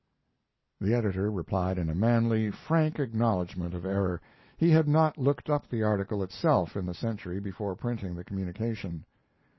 The editor replied in a manly, frank acknowledgment of error. He had not looked up the article itself in the Century before printing the communication.